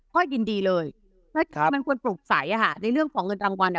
ก็ยินดีเลยเห็นข้อในหัวปรุงใสอะฮะในเรื่องของเงินรางวัลา